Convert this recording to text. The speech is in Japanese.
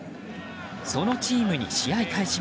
そのチームに試合開始